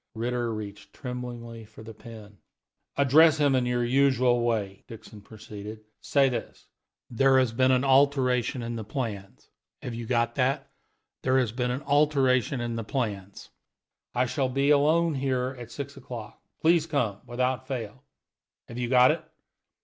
Ritter reached tremblingly for the pen. "Address him in your usual way," Hewitt proceeded. "Say this: 'There has been an alteration in the plans.' Have you got that? 'There has been an alteration in the plans. I shall be alone here at six o'clock. Please come, without fail.' Have you got it?